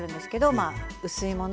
まあ薄いもの